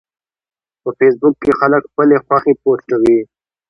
په فېسبوک کې خلک خپلې خوښې پوسټوي